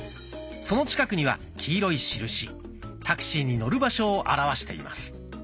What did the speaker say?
その近くには黄色い印タクシーに乗る場所を表しています。